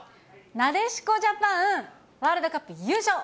なでしこジャパン、ワールドカップ優勝。